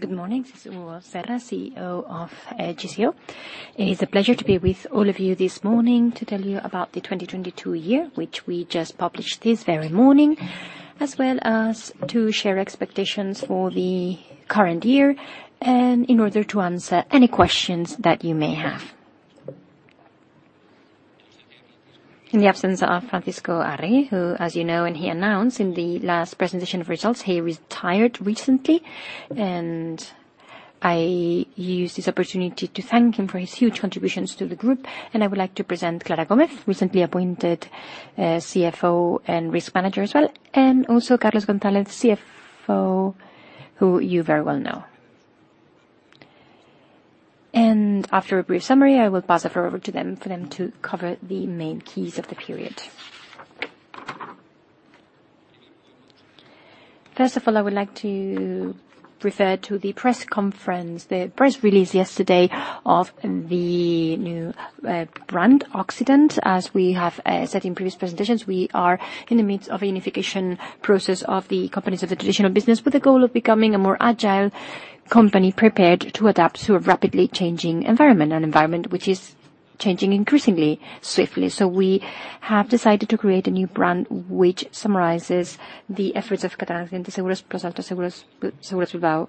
Good morning. This is Hugo Serra, CEO of GCO. It's a pleasure to be with all of you this morning to tell you about the 2022 year, which we just published this very morning, as well as to share expectations for the current year and in order to answer any questions that you may have. In the absence of Francisco Arregui, who as you know and he announced in the last presentation of results, he retired recently, and I use this opportunity to thank him for his huge contributions to the group. I would like to present Clara Gómez, recently appointed CFO and risk manager as well, and also Carlos González, CFO, who you very well know. After a brief summary, I will pass it forward to them for them to cover the main keys of the period. First of all, I would like to refer to the press release yesterday of the new brand, Occident. As we have said in previous presentations, we are in the midst of a unification process of the companies of the traditional business with the goal of becoming a more agile company prepared to adapt to a rapidly changing environment, an environment which is changing increasingly swiftly. We have decided to create a new brand which summarizes the efforts of Catalana Occidente Seguros, Plus Ultra Seguros, Seguros Bilbao,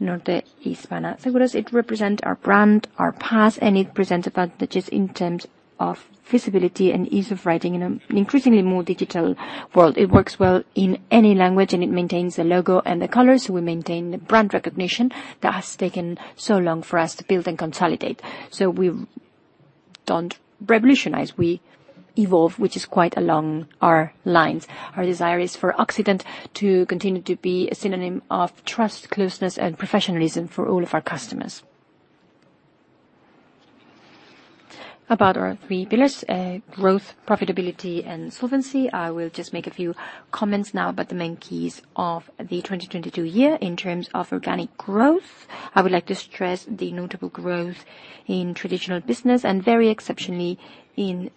NorteHispana Seguros. It represent our brand, our past, and it presents advantages in terms of visibility and ease of writing in an increasingly more digital world. It works well in any language, and it maintains the logo and the colors. We maintain brand recognition that has taken so long for us to build and consolidate. We don't revolutionize. We evolve, which is quite along our lines. Our desire is for Occident to continue to be a synonym of trust, closeness, and professionalism for all of our customers. About our three pillars, growth, profitability, and solvency, I will just make a few comments now about the main keys of the 2022 year. In terms of organic growth, I would like to stress the notable growth in traditional business and very exceptionally in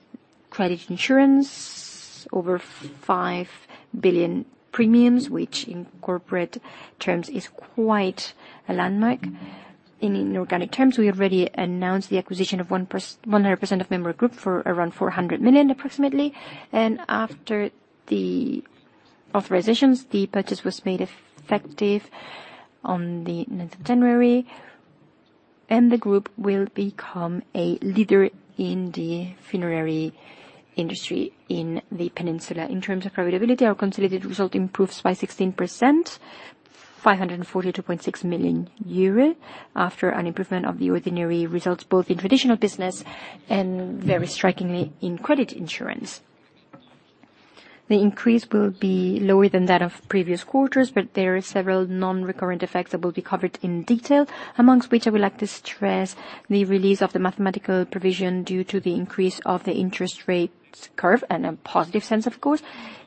credit insurance, over 5 billion premiums, which in corporate terms is quite a landmark. In inorganic terms, we already announced the acquisition of 100% of Mémora Group for around 400 million, approximately. After the authorizations, the purchase was made effective on the ninth of January, and the group will become a leader in the funerary industry in the peninsula. In terms of profitability, our consolidated result improves by 16%, 542.6 million euro, after an improvement of the ordinary results, both in traditional business and very strikingly in credit insurance. The increase will be lower than that of previous quarters. There are several non-recurrent effects that will be covered in detail, amongst which I would like to stress the release of the mathematical provision due to the increase of the interest rates curve, in a positive sense of course,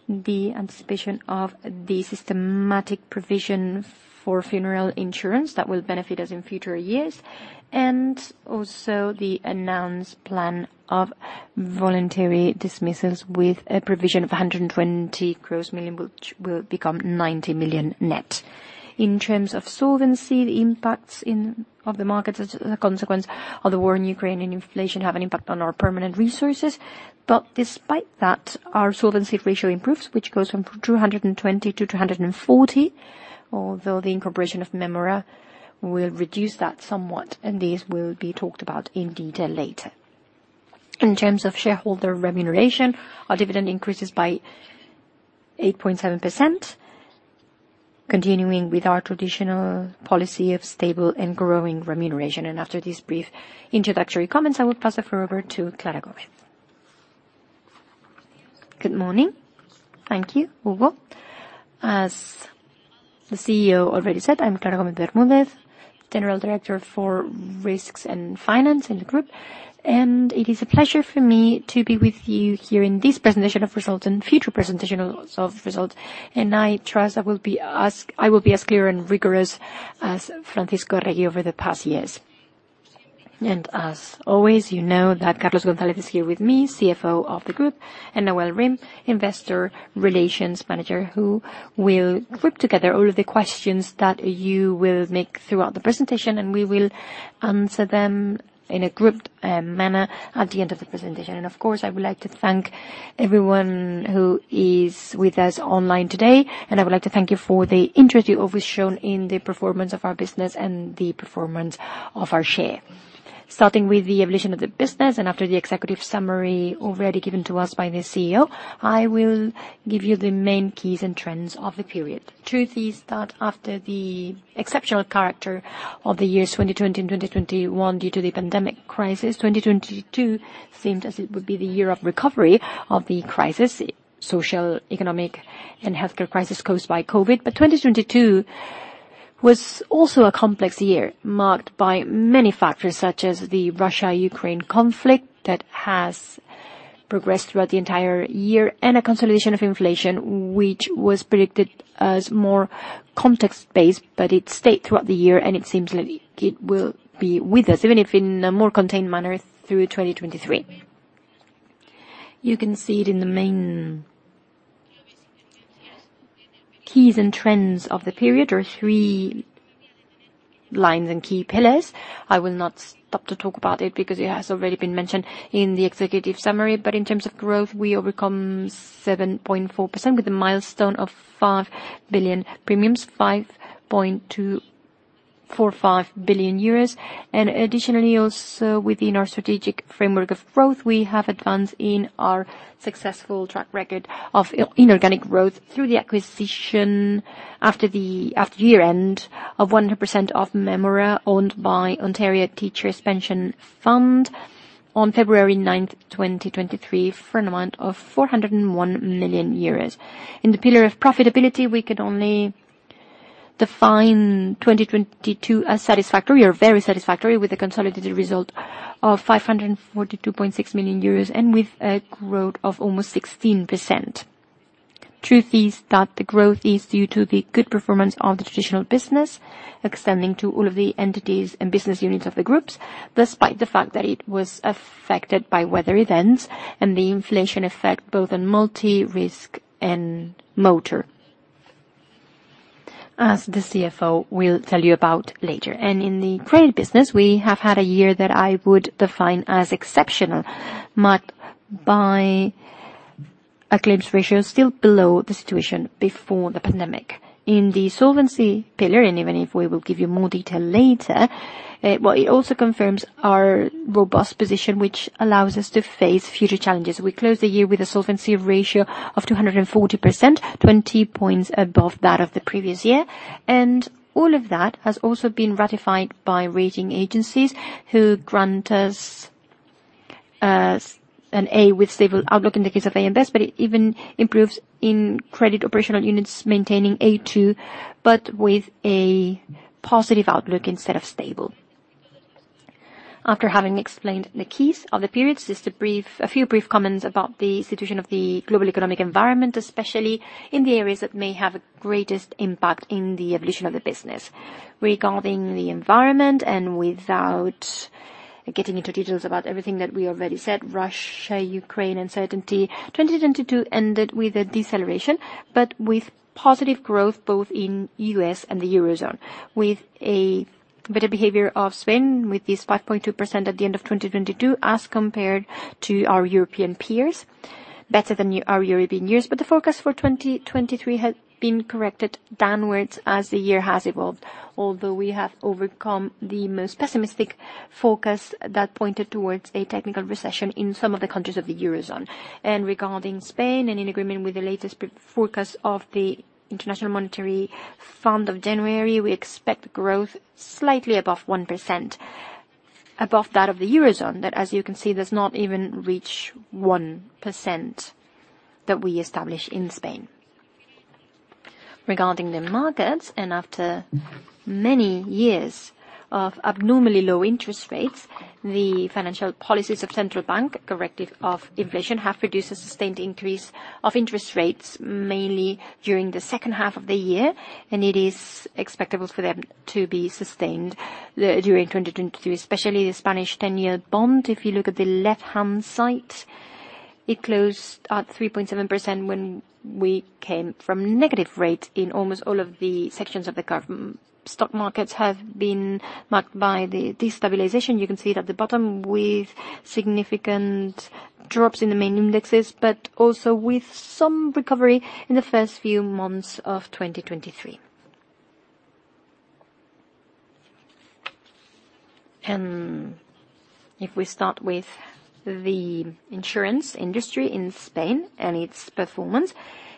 the anticipation of the systematic provision for funeral insurance that will benefit us in future years, and also the announced plan of voluntary dismissals with a provision of 120 gross million, which will become 90 million net. In terms of solvency, the impacts of the markets as a consequence of the war in Ukraine and inflation have an impact on our permanent resources. Despite that, our solvency ratio improves, which goes from 220 to 240, although the incorporation of Mémora will reduce that somewhat, and these will be talked about in detail later. In terms of shareholder remuneration, our dividend increases by 8.7%, continuing with our traditional policy of stable and growing remuneration. After these brief introductory comments, I will pass it forward to Clara Gómez. Good morning. Thank you, Hugo. As the CEO already said, I'm Clara Gómez Bermúdez, General Director for Risks and Finance in the group, and it is a pleasure for me to be with you here in this presentation of results and future presentation of results. I trust I will be as clear and rigorous as Francisco Arregui over the past years. As always, you know that Carlos González is here with me, CFO of the group, and Nawal Rim, Investor Relations Manager, who will group together all of the questions that you will make throughout the presentation, and we will answer them in a grouped manner at the end of the presentation. Of course, I would like to thank everyone who is with us online today, and I would like to thank you for the interest you've always shown in the performance of our business and the performance of our share. Starting with the evolution of the business and after the executive summary already given to us by the CEO, I will give you the main keys and trends of the period. Truth is that after the exceptional character of the years 2020 and 2021 due to the pandemic crisis, 2022 seemed as it would be the year of recovery of the crisis, social, economic, and healthcare crisis caused by COVID. 2022 was also a complex year marked by many factors, such as the Russia-Ukraine conflict that has progressed throughout the entire year, and a consolidation of inflation, which was predicted as more context-based, but it stayed throughout the year, and it seems that it will be with us, even if in a more contained manner through 2023. You can see it in the main keys and trends of the period. There are three lines and key pillars. I will not stop to talk about it because it has already been mentioned in the executive summary. In terms of growth, we overcome 7.4% with a milestone of 5 billion premiums, 5.245 billion euros. Additionally, also within our strategic framework of growth, we have advanced in our successful track record of inorganic growth through the acquisition after year-end of 100% of Mémora, owned by Ontario Teachers' Pension Plan on February 9th, 2023 for an amount of 401 million euros. In the pillar of profitability, we could only define 2022 as satisfactory or very satisfactory, with a consolidated result of 542.6 million euros and with a growth of almost 16%. Truth is that the growth is due to the good performance of the traditional business, extending to all of the entities and business units of the groups, despite the fact that it was affected by weather events and the inflation effect both on multi-risk and motor, as the CFO will tell you about later. In the credit business, we have had a year that I would define as exceptional, marked by a claims ratio still below the situation before the pandemic. In the solvency pillar, even if we will give you more detail later, well, it also confirms our robust position, which allows us to face future challenges. We closed the year with a solvency ratio of 240%, 20 points above that of the previous year. All of that has also been ratified by rating agencies who grant us an A with stable outlook in the case of AM Best, but it even improves in credit operational units maintaining A2, but with a positive outlook instead of stable. After having explained the keys of the periods, just a few brief comments about the situation of the global economic environment, especially in the areas that may have the greatest impact in the evolution of the business. Regarding the environment and without getting into details about everything that we already said, Russia, Ukraine, uncertainty. 2022 ended with a deceleration, but with positive growth both in U.S. and the Eurozone, with a better behavior of Spain with this 5.2% at the end of 2022 as compared to our European peers, better than our European years. The forecast for 2023 has been corrected downwards as the year has evolved, although we have overcome the most pessimistic forecasts that pointed towards a technical recession in some of the countries of the Eurozone. Regarding Spain, and in agreement with the latest pre-forecast of the International Monetary Fund of January, we expect growth slightly above 1%, above that of the Eurozone. That, as you can see, does not even reach 1% that we establish in Spain. Regarding the markets, and after many years of abnormally low interest rates, the financial policies of central bank, corrective of inflation, have produced a sustained increase of interest rates, mainly during the second half of the year. It is expectable for them to be sustained during 2022, especially the Spanish 10-year bond. If you look at the left-hand side, it closed at 3.7% when we came from negative rate in almost all of the sections of the curve. Stock markets have been marked by the destabilization. You can see it at the bottom with significant drops in the main indexes, but also with some recovery in the first few months of 2023. If we start with the insurance industry in Spain and its performance.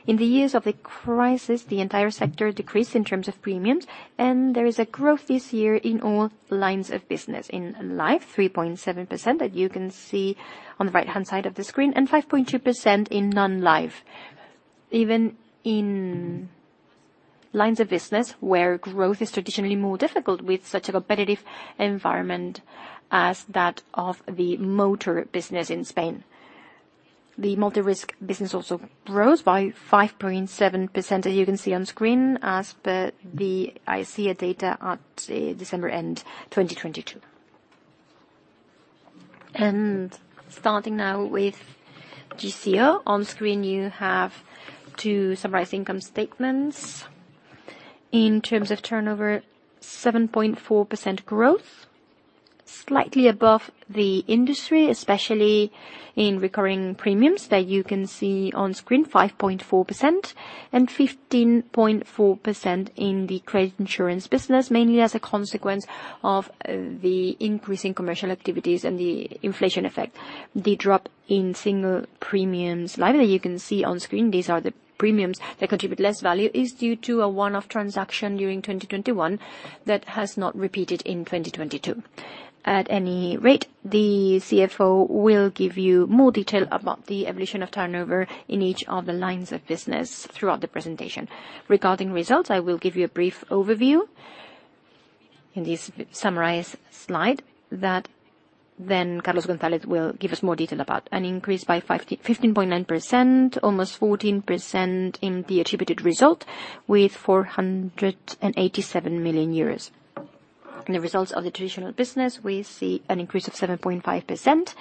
In the years of the crisis, the entire sector decreased in terms of premiums, there is a growth this year in all lines of business. In life, 3.7% that you can see on the right-hand side of the screen, and 5.2% in non-life. Even in lines of business where growth is traditionally more difficult, with such a competitive environment as that of the motor business in Spain. The multi-risk business also grows by 5.7%, as you can see on screen, as per the ICEA data at December end, 2022. Starting now with GCO. On screen you have two summarized income statements. In terms of turnover, 7.4% growth, slightly above the industry, especially in recurring premiums that you can see on screen, 5.4%, and 15.4% in the credit insurance business, mainly as a consequence of the increase in commercial activities and the inflation effect. The drop in single premiums live that you can see on screen, these are the premiums that contribute less value, is due to a one-off transaction during 2021 that has not repeated in 2022. At any rate, the CFO will give you more detail about the evolution of turnover in each of the lines of business throughout the presentation. Regarding results, I will give you a brief overview in this summarized slide that then Carlos González will give us more detail about. An increase by 15.9%, almost 14% in the attributed result with 487 million euros. In the results of the traditional business, we see an increase of 7.5%.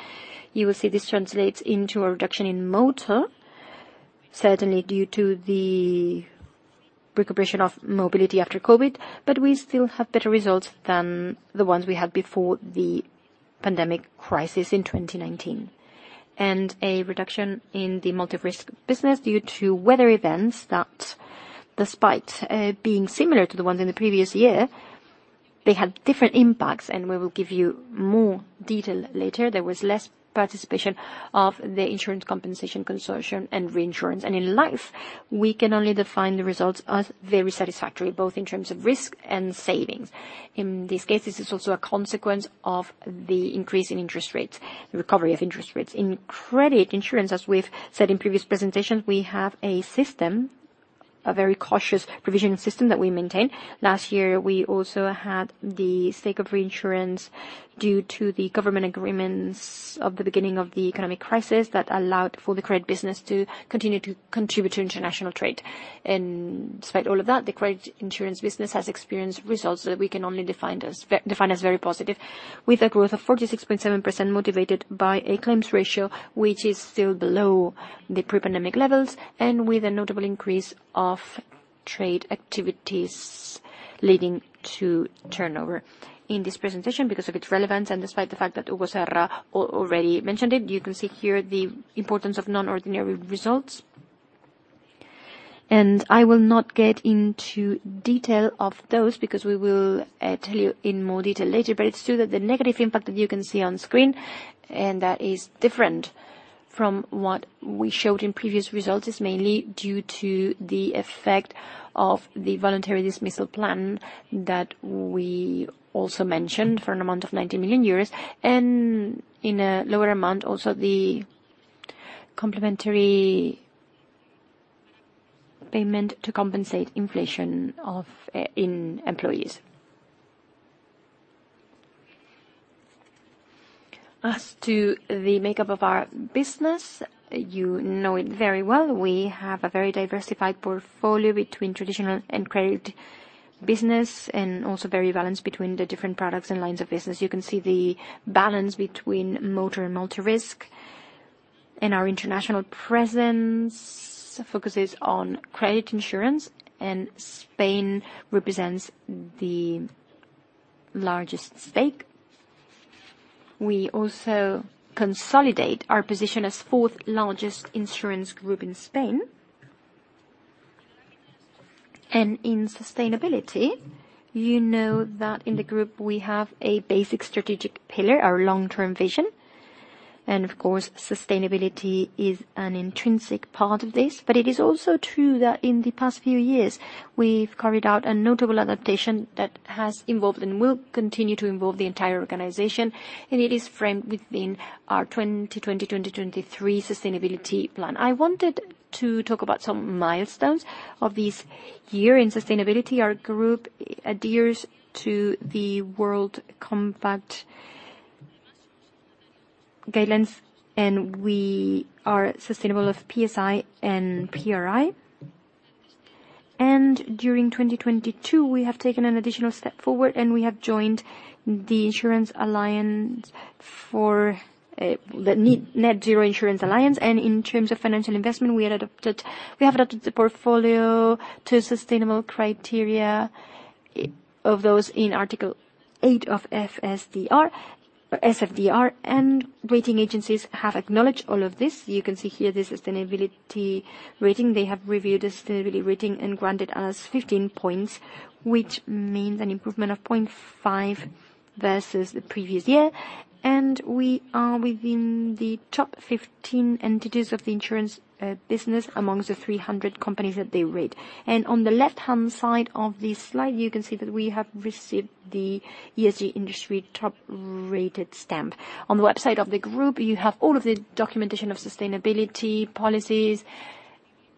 You will see this translates into a reduction in motor, certainly due to the recuperation of mobility after COVID, but we still have better results than the ones we had before the pandemic crisis in 2019. A reduction in the multi-risk business due to weather events that despite being similar to the ones in the previous year, they had different impacts, and we will give you more detail later. There was less participation of the Insurance Compensation Consortium and reinsurance. In life, we can only define the results as very satisfactory, both in terms of risk and savings. In this case, this is also a consequence of the increase in interest rates, the recovery of interest rates. In credit insurance, as we've said in previous presentations, we have a system, a very cautious provisioning system that we maintain. Last year, we also had the stake of reinsurance due to the government agreements of the beginning of the economic crisis that allowed for the credit business to continue to contribute to international trade. Despite all of that, the credit insurance business has experienced results that we can only define as very positive. With a growth of 46.7% motivated by a claims ratio which is still below the pre-pandemic levels and with a notable increase of trade activities leading to turnover. In this presentation, because of its relevance and despite the fact that Hugo Serra already mentioned it, you can see here the importance of non-ordinary results. I will not get into detail of those because we will tell you in more detail later. It's true that the negative impact that you can see on screen, and that is different from what we showed in previous results, is mainly due to the effect of the voluntary dismissal plan that we also mentioned for an amount of 90 million euros. In a lower amount, also the complementary payment to compensate inflation in employees. As to the makeup of our business, you know it very well. We have a very diversified portfolio between traditional and credit business and also very balanced between the different products and lines of business. You can see the balance between motor and multi-risk. Our international presence focuses on credit insurance, and Spain represents the largest stake. We also consolidate our position as fourth largest insurance group in Spain. In sustainability, you know that in the group we have a basic strategic pillar, our long-term vision. Of course, sustainability is an intrinsic part of this. It is also true that in the past few years, we've carried out a notable adaptation that has involved and will continue to involve the entire organization, and it is framed within our 2020-2023 sustainability plan. I wanted to talk about some milestones of this year in sustainability. Our group adheres to the World Compact guidelines, and we are sustainable of PSI and PRI. During 2022, we have taken an additional step forward, and we have joined the Insurance Alliance for the Net-Zero Insurance Alliance. In terms of financial investment, we have adopted the portfolio to sustainable criteria of those in Article eight of SFDR. Rating agencies have acknowledged all of this. You can see here the sustainability rating. They have reviewed the sustainability rating and granted us 15 points, which means an improvement of 0.5 versus the previous year. We are within the top 15 entities of the insurance business amongst the 300 companies that they rate. On the left-hand side of this slide, you can see that we have received the ESG Industry Top Rated stamp. On the website of the group, you have all of the documentation of sustainability policies,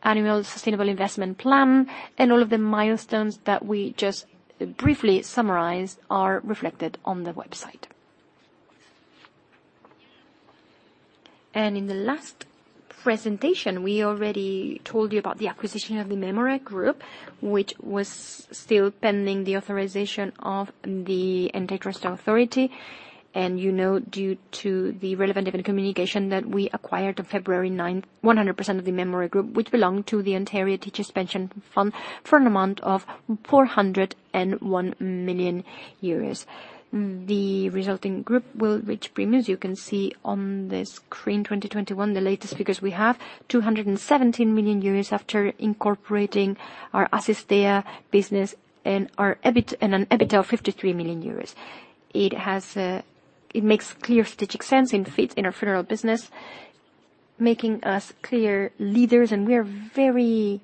annual sustainable investment plan, and all of the milestones that we just briefly summarized are reflected on the website. In the last presentation, we already told you about the acquisition of the Mémora Group, which was still pending the authorization of the Antitrust Authority. You know, due to the relevant development communication that we acquired on February 9th, 100% of the Mémora Group, which belonged to the Ontario Teachers' Pension Plan, for an amount of 401 million euros. The resulting group will reach premiums, you can see on the screen 2021, the latest figures we have, 217 million euros after incorporating our Asistea business and an EBITA of 53 million euros. It has, it makes clear strategic sense and fits in our federal business, making us clear leaders, and we are very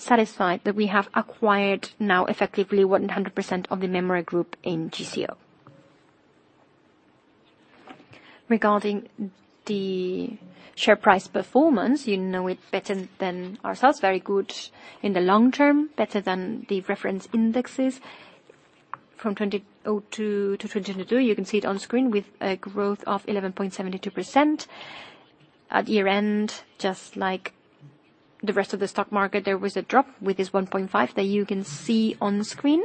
satisfied that we have acquired now effectively 100% of the Mémora Group in GCO. Regarding the share price performance, you know it better than ourselves, very good in the long term, better than the reference indexes from 2002 to 2022. You can see it on screen with a growth of 11.72%. At year-end, just like the rest of the stock market, there was a drop with this 1.5% that you can see on the screen,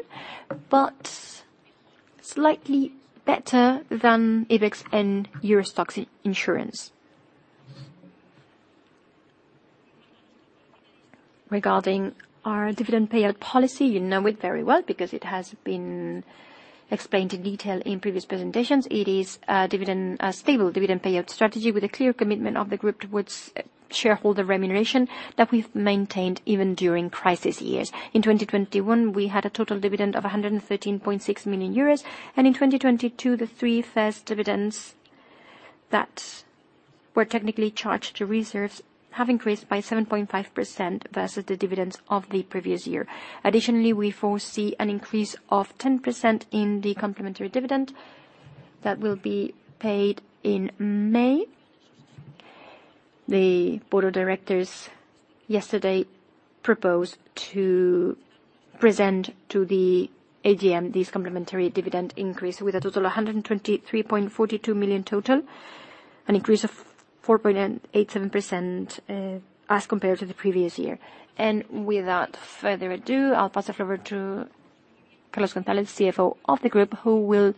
but slightly better than IBEX and EURO STOXX Insurance. Regarding our dividend payout policy, you know it very well because it has been explained in detail in previous presentations. It is a stable dividend payout strategy with a clear commitment of the group towards shareholder remuneration that we've maintained even during crisis years. In 2021, we had a total dividend of 113.6 million euros, in 2022, the three first dividends that were technically charged to reserves have increased by 7.5% versus the dividends of the previous year. Additionally, we foresee an increase of 10% in the complementary dividend that will be paid in May. The board of directors yesterday proposed to present to the AGM this complementary dividend increase with a total of 123.42 million total, an increase of 4.87% as compared to the previous year. Without further ado, I'll pass it over to Carlos González, CFO of the group, who will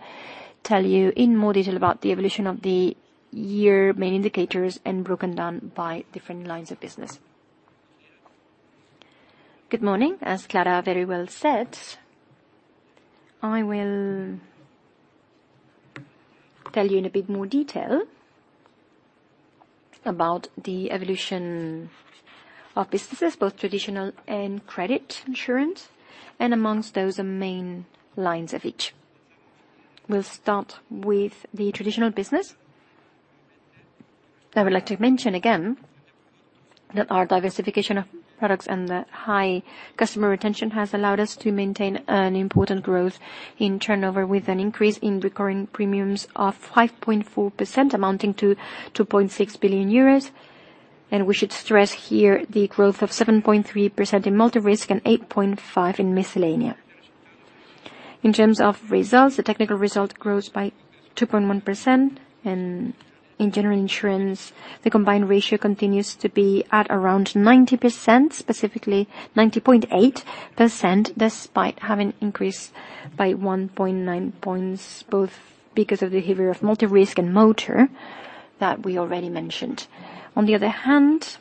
tell you in more detail about the evolution of the year main indicators and broken down by different lines of business. Good morning. As Clara very well said, I will tell you in a bit more detail about the evolution of businesses, both traditional and credit insurance, and amongst those main lines of each. We'll start with the traditional business. I would like to mention again that our diversification of products and the high customer retention has allowed us to maintain an important growth in turnover with an increase in recurring premiums of 5.4%, amounting to 2.6 billion euros. We should stress here the growth of 7.3% in multi-risk and 8.5% in miscellaneous. In terms of results, the technical result grows by 2.1%. In general insurance, the combined ratio continues to be at around 90%, specifically 90.8%, despite having increased by 1.9 points, both because of the behavior of multi-risk and motor that we already mentioned. On the other hand,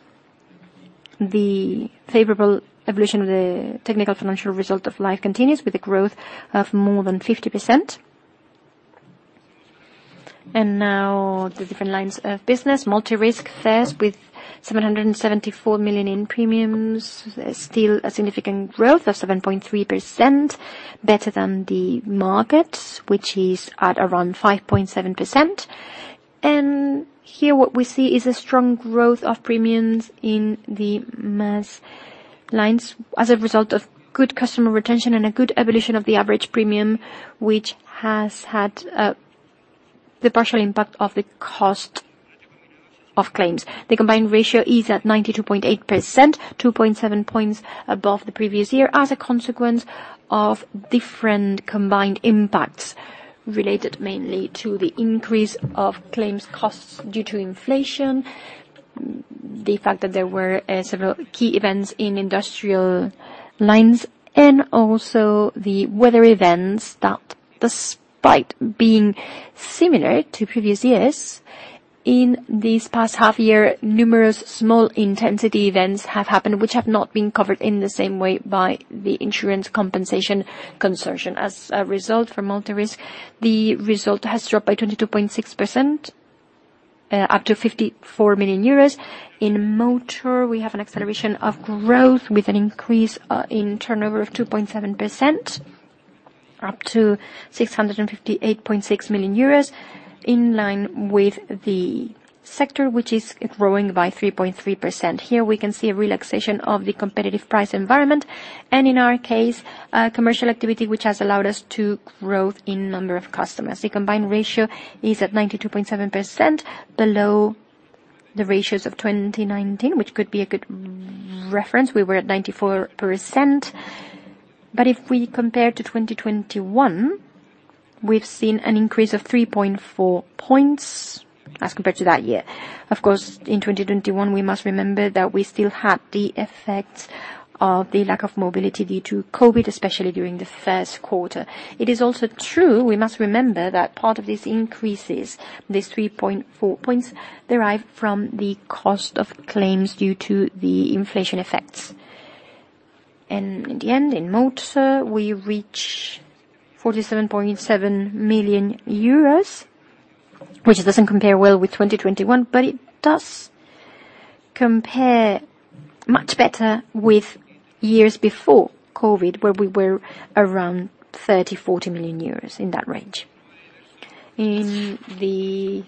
the favorable evolution of the technical financial result of life continues with a growth of more than 50%. Now the different lines of business. Multi-risk fares with 774 million in premiums. Still a significant growth of 7.3% better than the market, which is at around 5.7%. Here what we see is a strong growth of premiums in the mass lines as a result of good customer retention and a good evolution of the average premium, which has had the partial impact of the cost of claims. The combined ratio is at 92.8%, 2.7 points above the previous year as a consequence of different combined impacts related mainly to the increase of claims costs due to inflation, the fact that there were several key events in industrial lines, and also the weather events that despite being similar to previous years, in this past half year, numerous small intensity events have happened which have not been covered in the same way by the Insurance Compensation Consortium. As a result, for multi-risk, the result has dropped by 22.6%, up to 54 million euros. In motor, we have an acceleration of growth with an increase in turnover of 2.7%, up to 658.6 million euros. In line with the sector, which is growing by 3.3%. Here we can see a relaxation of the competitive price environment, and in our case, a commercial activity which has allowed us to growth in number of customers. The combined ratio is at 92.7% below the ratios of 2019, which could be a good reference. We were at 94%. If we compare to 2021, we've seen an increase of 3.4 points as compared to that year. Of course, in 2021, we must remember that we still had the effects of the lack of mobility due to COVID, especially during the first quarter. It is also true, we must remember that part of these increases, these 3.4 points, derive from the cost of claims due to the inflation effects. In the end, in motor, we reach 47.7 million euros, which doesn't compare well with 2021. It does compare much better with years before COVID, where we were around 30 million-40 million, in that range. In the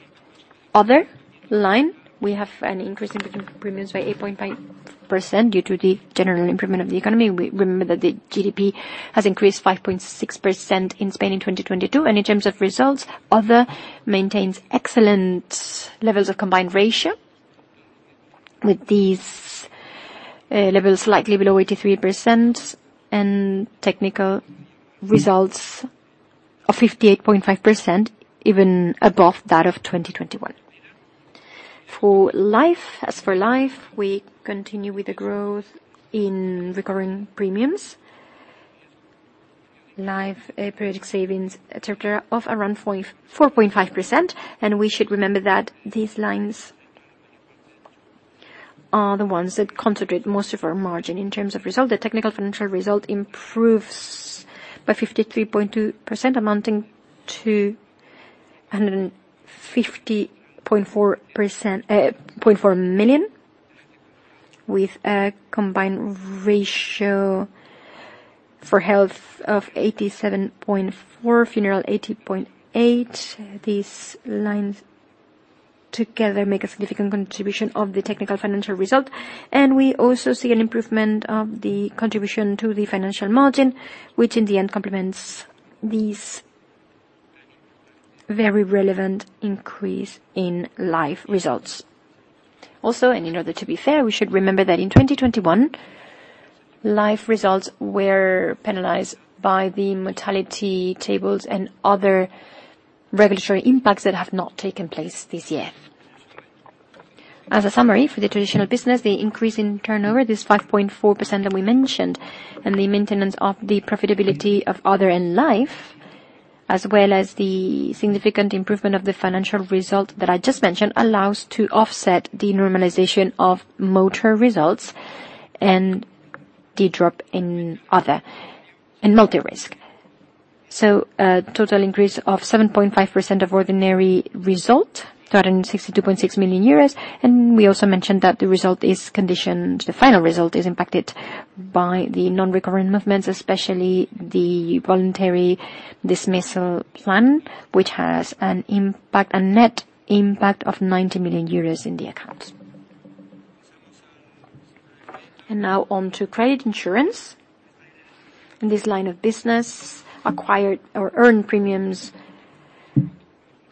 other line, we have an increase in premiums by 8.5% due to the general improvement of the economy. We remember that the GDP has increased 5.6% in Spain in 2022. In terms of results, other maintains excellent levels of combined ratio, with these levels slightly below 83% and technical results of 58.5%, even above that of 2021. For Life, we continue with the growth in recurring premiums. Life, periodic savings, et cetera, of around 4.5%. We should remember that these lines are the ones that concentrate most of our margin. In terms of result, the technical financial result improves by 53.2%, amounting to EUR 150.4 million, with a combined ratio for health of 87.4%, funeral 80.8%. These lines together make a significant contribution of the technical financial result. We also see an improvement of the contribution to the financial margin, which in the end complements these very relevant increase in Life results. Also, and in order to be fair, we should remember that in 2021, Life results were penalized by the mortality tables and other regulatory impacts that have not taken place this year. As a summary for the traditional business, the increase in turnover, this 5.4% that we mentioned, and the maintenance of the profitability of Other and Life, as well as the significant improvement of the financial result that I just mentioned, allows to offset the normalization of Motor results and the drop in Other and Multirisk. A total increase of 7.5% of ordinary result, 262.6 million euros. We also mentioned that the final result is impacted by the non-recurring movements, especially the voluntary dismissal plan, which has a net impact of 90 million euros in the accounts. Now on to credit insurance. In this line of business, acquired or earned premiums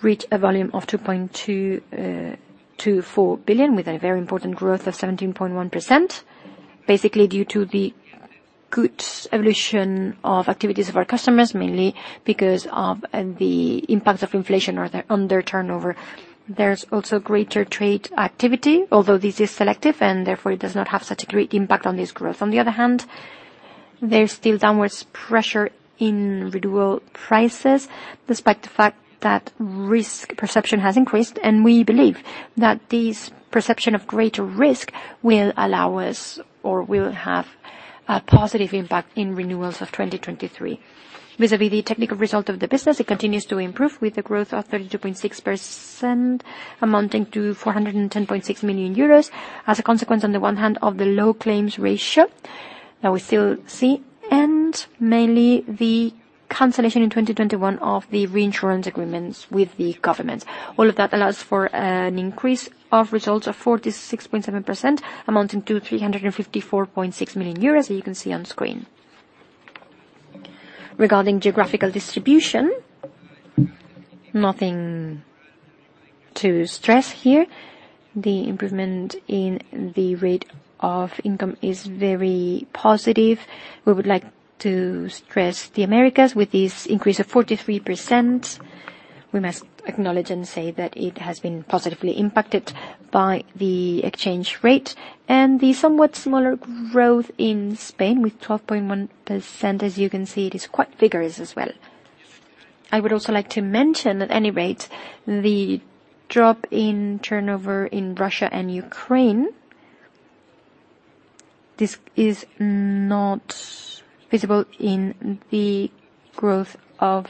reach a volume of 2.224 billion, with a very important growth of 17.1%, basically due to the good evolution of activities of our customers, mainly because of the impacts of inflation on their turnover. There's also greater trade activity, although this is selective, and therefore it does not have such a great impact on this growth. On the other hand, there's still downwards pressure in renewal prices, despite the fact that risk perception has increased, and we believe that this perception of greater risk will allow us, or will have a positive impact in renewals of 2023. Vis-à-vis the technical result of the business, it continues to improve, with a growth of 32.6%, amounting to 410.6 million euros. As a consequence, on the one hand, of the low claims ratio that we still see, and mainly the cancellation in 2021 of the reinsurance agreements with the government. All of that allows for an increase of results of 46.7%, amounting to 354.6 million euros, as you can see on screen. Regarding geographical distribution, nothing to stress here. The improvement in the rate of income is very positive. We would like to stress the Americas with this increase of 43%. We must acknowledge and say that it has been positively impacted by the exchange rate and the somewhat smaller growth in Spain with 12.1%. As you can see, it is quite vigorous as well. I would also like to mention, at any rate, the drop in turnover in Russia and Ukraine. This is not visible in the growth of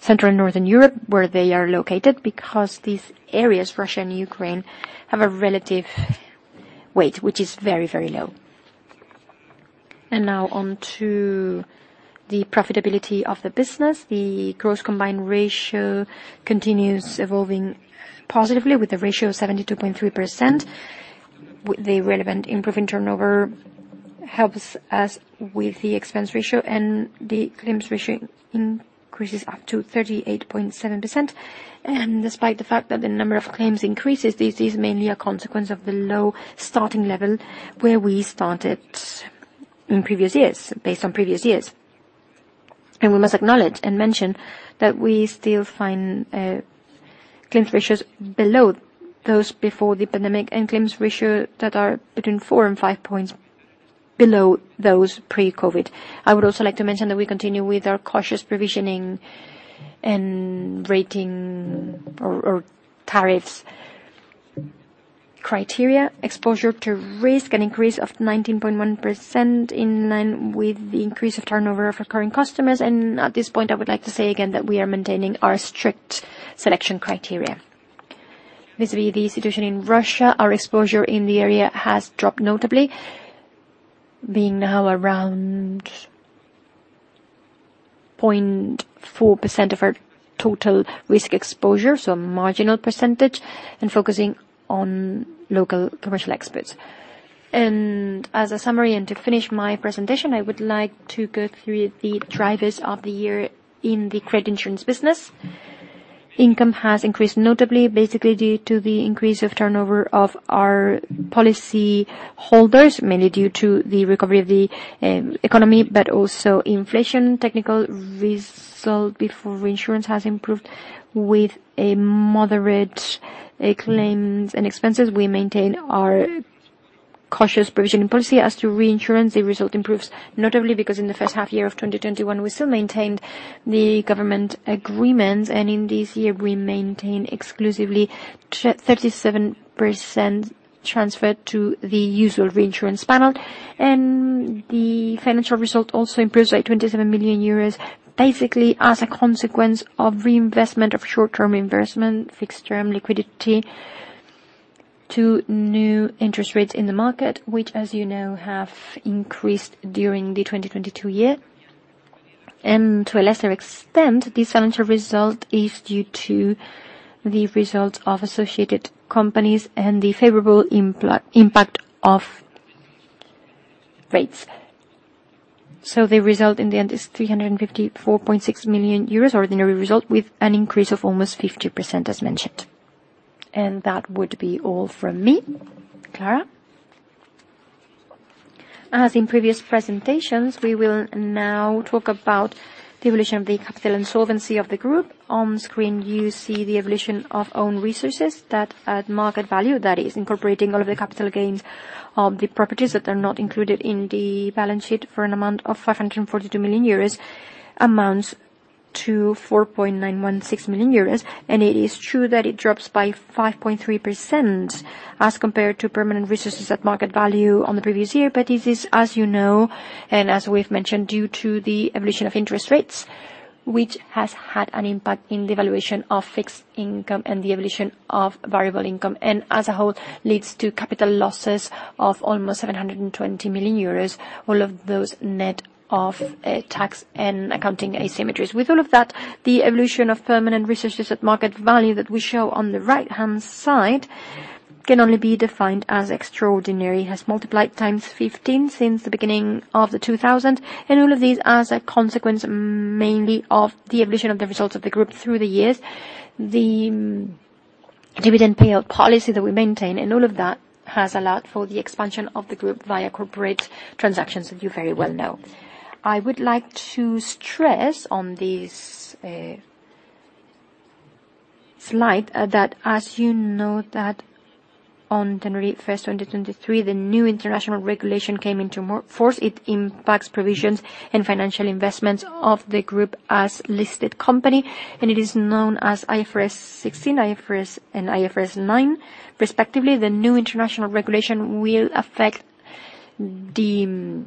Central and Northern Europe, where they are located, because these areas, Russia and Ukraine, have a relative weight, which is very, very low. Now on to the profitability of the business. The gross combined ratio continues evolving positively with a ratio of 72.3%. The relevant improvement turnover helps us with the expense ratio, and the claims ratio increases up to 38.7%. Despite the fact that the number of claims increases, this is mainly a consequence of the low starting level where we started in previous years, based on previous years. We must acknowledge and mention that we still find claims ratios below those before the pandemic and claims ratio that are between four and five points below those pre-COVID. I would also like to mention that we continue with our cautious provisioning and rating or tariffs criteria. Exposure to risk, an increase of 19.1% in line with the increase of turnover of recurring customers. I would like to say again that we are maintaining our strict selection criteria. Vis-à-vis the situation in Russia, our exposure in the area has dropped notably, being now around 0.4% of our total risk exposure, so a marginal percentage, and focusing on local commercial experts. I would like to go through the drivers of the year in the credit insurance business. Income has increased notably, basically due to the increase of turnover of our policy holders, mainly due to the recovery of the economy, but also inflation. Technical result before insurance has improved with a moderate claims and expenses. We maintain our cautious provisioning policy. As to reinsurance, the result improves, notably because in the first half year of 2021, we still maintained the government agreements, and in this year we maintain exclusively 37% transfer to the usual reinsurance panel. The financial result also improves by 27 million euros, basically as a consequence of reinvestment of short-term investment, fixed term liquidity to new interest rates in the market, which as you know, have increased during the 2022 year. To a lesser extent, this financial result is due to the results of associated companies and the favorable impact of rates. The result in the end is 354.6 million euros ordinary result with an increase of almost 50% as mentioned. That would be all from me. Clara? As in previous presentations, we will now talk about the evolution of the capital and solvency of the group. On screen, you see the evolution of own resources that at market value, that is incorporating all of the capital gains of the properties that are not included in the balance sheet for an amount of 542 million euros, amounts to 4.916 million euros. It is true that it drops by 5.3% as compared to permanent resources at market value on the previous year. It is, as you know, and as we've mentioned, due to the evolution of interest rates, which has had an impact in the evaluation of fixed income and the evolution of variable income, and as a whole, leads to capital losses of almost 720 million euros, all of those net of tax and accounting asymmetries. With all of that, the evolution of permanent resources at market value that we show on the right-hand side can only be defined as extraordinary, has multiplied times 15 since the beginning of the 2000, and all of these as a consequence, mainly of the evolution of the results of the group through the years. The dividend payout policy that we maintain and all of that has allowed for the expansion of the group via corporate transactions that you very well know. I would like to stress on this slide that as you know that on January 1st, 2023, the new international regulation came into force. It impacts provisions and financial investments of the group as listed company. It is known as IFRS 16, IFRS, and IFRS 9. Respectively, the new international regulation will affect the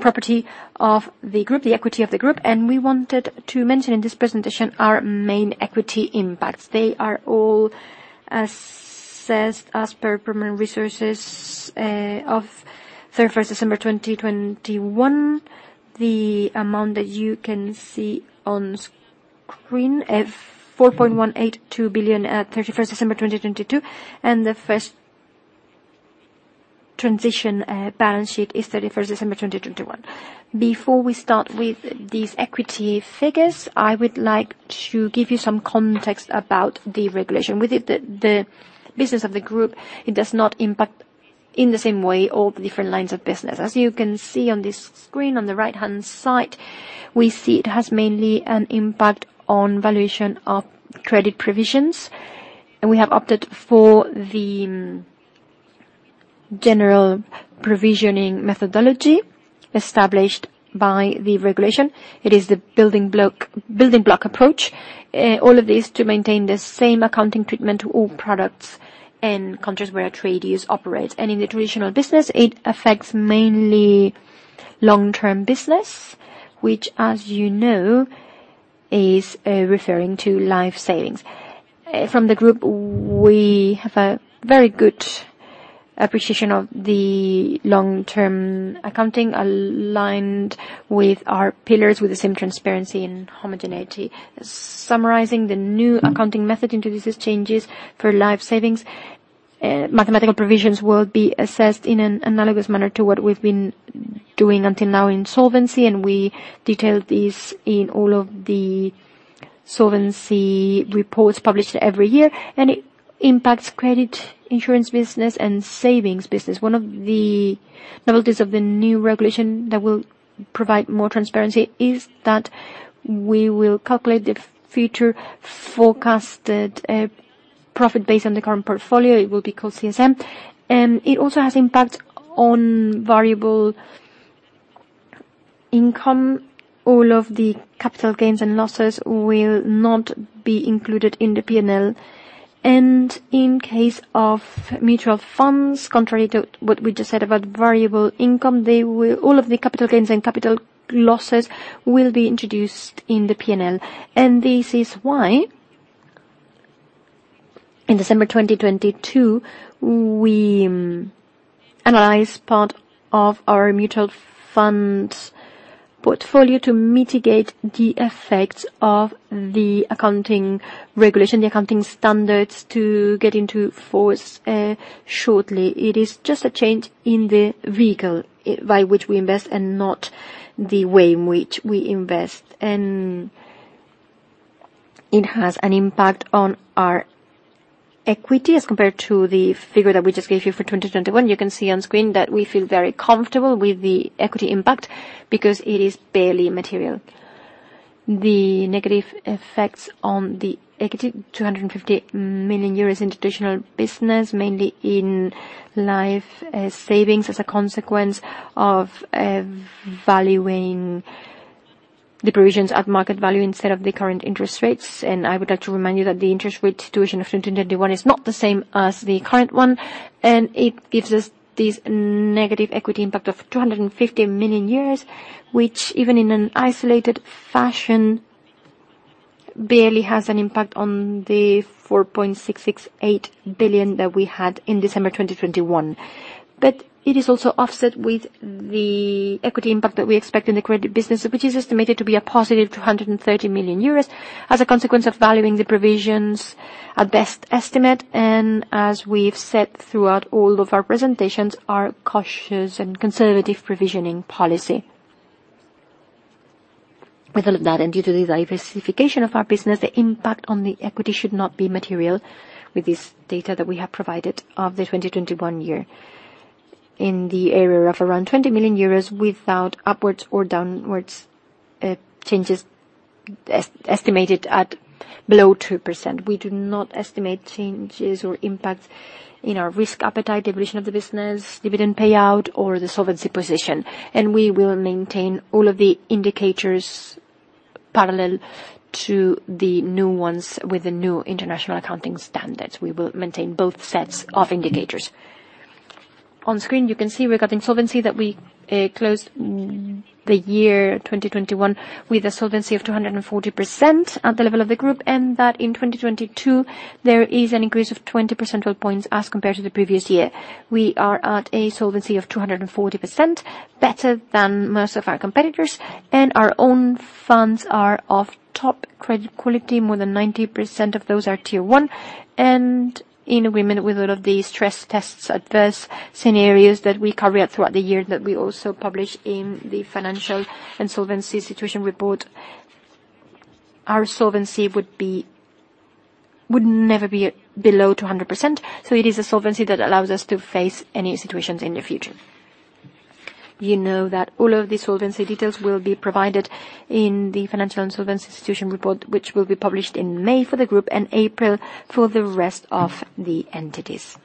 property of the group, the equity of the group. We wanted to mention in this presentation our main equity impacts. They are all assessed as per permanent resources of 3rd of December 2021. The amount that you can see on screen, 4.182 billion at 31st of December 2022. The first transition balance sheet is 31st December 2021. Before we start with these equity figures, I would like to give you some context about the regulation. With the business of the group, it does not impact in the same way all the different lines of business. As you can see on this screen on the right-hand side, we see it has mainly an impact on valuation of credit provisions, and we have opted for the general provisioning methodology established by the regulation. It is the building block approach. All of this to maintain the same accounting treatment to all products in countries where Atradius operate. In the traditional business, it affects mainly long-term business, which as you know, is referring to life savings. From the group, we have a very good appreciation of the long-term accounting aligned with our pillars with the same transparency and homogeneity. Summarizing the new accounting method introduces changes for life savings. Mathematical provisions will be assessed in an analogous manner to what we've been doing until now in solvency, and we detailed this in all of the solvency reports published every year. It impacts credit insurance business and savings business. One of the novelties of the new regulation that will provide more transparency is that we will calculate the future forecasted profit based on the current portfolio. It will be called CSM. It also has impact on variable income. All of the capital gains and losses will not be included in the P&L. In case of mutual funds, contrary to what we just said about variable income, all of the capital gains and capital losses will be introduced in the P&L. This is why in December 2022, we analyzed part of our mutual funds portfolio to mitigate the effects of the accounting regulation, the accounting standards to get into force shortly. It is just a change in the vehicle by which we invest and not the way in which we invest. It has an impact on our equity as compared to the figure that we just gave you for 2021. You can see on screen that we feel very comfortable with the equity impact because it is barely material. The negative effects on the equity, 250 million euros in traditional business, mainly in life savings as a consequence of valuing the provisions at market value instead of the current interest rates. I would like to remind you that the interest rate situation of 2021 is not the same as the current one, and it gives us this negative equity impact of 250 million, which even in an isolated fashion barely has an impact on the 4.668 billion that we had in December 2021. It is also offset with the equity impact that we expect in the credit business, which is estimated to be a positive 230 million euros as a consequence of valuing the provisions at best estimate. As we've said throughout all of our presentations, our cautious and conservative provisioning policy. With all of that, and due to the diversification of our business, the impact on the equity should not be material with this data that we have provided of the 2021 year. In the area of around 20 million euros, without upwards or downwards changes, estimated at below 2%. We do not estimate changes or impacts in our risk appetite, the evolution of the business, dividend payout, or the solvency position. We will maintain all of the indicators parallel to the new ones with the new international accounting standards. We will maintain both sets of indicators. On screen, you can see regarding solvency that we closed the year 2021 with a solvency of 240% at the level of the group, and that in 2022 there is an increase of 20 percentile points as compared to the previous year. We are at a solvency of 240%, better than most of our competitors, and our own funds are of top credit quality. More than 90% of those are Tier 1. In agreement with all of the stress tests, adverse scenarios that we carry out throughout the year that we also publish in the Solvency and Financial Condition Report, our solvency would never be below 200%. It is a solvency that allows us to face any situations in the future. You know that all of the solvency details will be provided in the Solvency and Financial Condition Report, which will be published in May for the group and April for the rest of the entities.